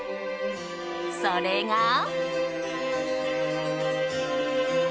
それが。